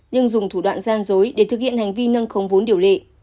nhưng dùng thủ đoạn gian dối để thực hiện hành vi nâng khống vốn điều lệ